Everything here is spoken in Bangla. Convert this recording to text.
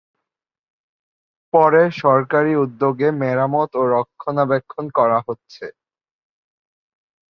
পরে সরকারি উদ্যোগে মেরামত ও রক্ষণাবেক্ষণ করা হচ্ছে।